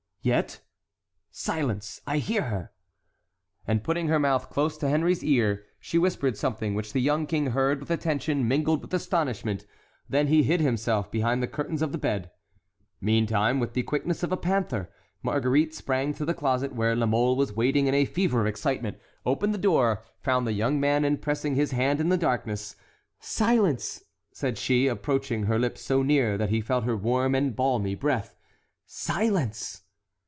"Yet"— "Silence!—I hear her." And putting her mouth close to Henry's ear, she whispered something which the young king heard with attention mingled with astonishment. Then he hid himself behind the curtains of the bed. Meantime, with the quickness of a panther, Marguerite sprang to the closet, where La Mole was waiting in a fever of excitement, opened the door, found the young man, and pressing his hand in the darkness—"Silence," said she, approaching her lips so near that he felt her warm and balmy breath; "silence!"